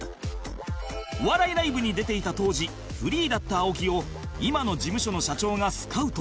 お笑いライブに出ていた当時フリーだった青木を今の事務所の社長がスカウト